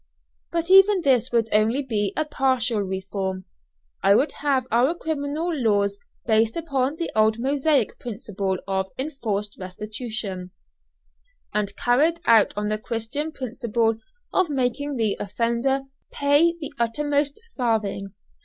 But even this would only be a partial reform. I would have our criminal laws based upon the old Mosaic principle of "enforced restitution," and carried out on the Christian principle of making the offender "pay the uttermost farthing."